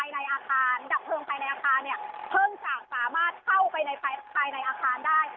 ดับเพลิงภายในอาคารเพิ่งจากสามารถเข้าไปในภายในอาคารได้